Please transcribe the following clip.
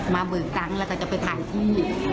เบิกตังค์แล้วก็จะไปถ่ายที่